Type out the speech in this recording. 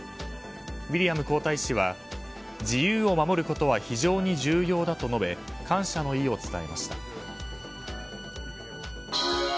ウィリアム皇太子は、自由を守ることは非常に重要だと述べ感謝の意を伝えました。